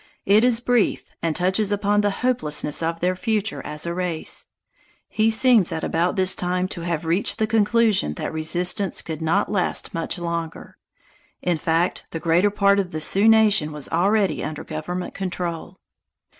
It is brief, and touches upon the hopelessness of their future as a race. He seems at about this time to have reached the conclusion that resistance could not last much longer; in fact, the greater part of the Sioux nation was already under government control.